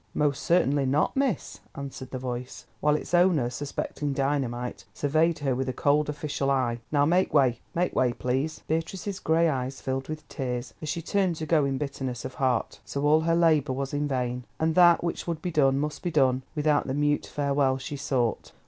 "Most certainly not, miss," answered the voice, while its owner, suspecting dynamite, surveyed her with a cold official eye. "Now make way, make way, please." Beatrice's grey eyes filled with tears, as she turned to go in bitterness of heart. So all her labour was in vain, and that which would be done must be done without the mute farewell she sought.